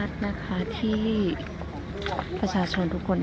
มันเป็นสิ่งที่จะให้ทุกคนรู้สึกว่า